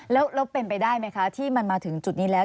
แล้วเป็นไปได้ไหมคะที่มันมาถึงจุดนี้แล้ว